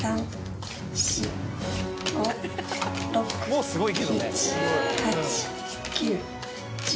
もうすごいけどね。